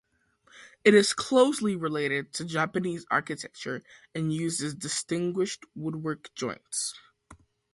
It is closely related to Japanese architecture and uses distinguished woodworking joints.